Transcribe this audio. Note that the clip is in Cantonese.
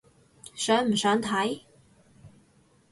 想唔想睇？